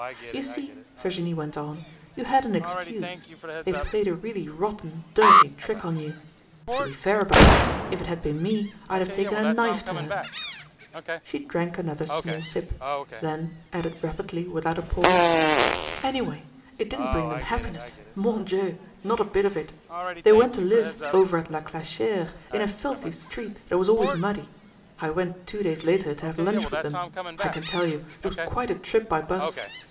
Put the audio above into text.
"You see," Virginie went on, "you had an excuse. They played a really rotten, dirty trick on you. To be fair about it, if it had been me, I'd have taken a knife to her." She drank another small sip, then added rapidly without a pause: "Anyway, it didn't bring them happiness, mon Dieu! Not a bit of it. They went to live over at La Glaciere, in a filthy street that was always muddy. I went two days later to have lunch with them. I can tell you, it was quite a trip by bus.